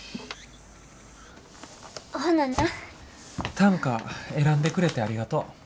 短歌選んでくれてありがとう。